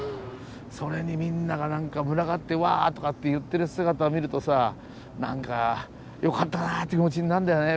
それにみんなが何か群がって「わ」とかって言ってる姿を見るとさ何かよかったなって気持ちになるんだよね。